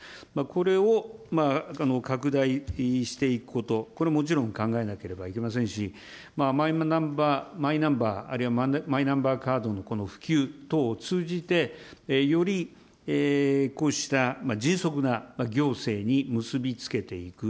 これを拡大していくこと、これもちろん、考えなければいけませんし、マイナンバーあるいはマイナンバーカードの普及等を通じて、よりこうした迅速な行政に結び付けていく。